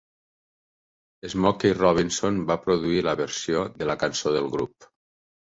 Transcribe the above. Smokey Robinson va produir la versió de la cançó del grup.